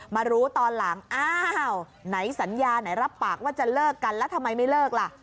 มารู้ตอนหลังอ้าวไหนสัญญาไหนรับปากว่าจะเลิกกันแล้วทำไมไม่เลิกล่ะ